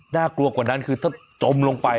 น่ากลัวกว่านั้นคือถ้าจมลงไป